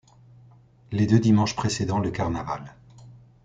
Les deux dimanches précédant le carnaval.